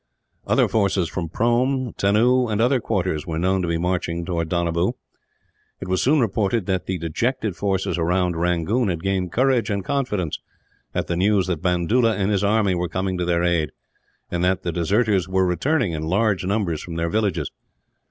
Other forces from Prome, Tannoo, and other quarters were known to be marching towards Donabew. It was soon reported that the dejected forces around Rangoon had gained courage and confidence, at the news that Bandoola and his army were coming to their aid, and that the deserters were returning in large numbers from their villages.